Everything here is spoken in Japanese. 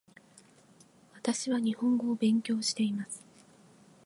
私は日本語を勉強しています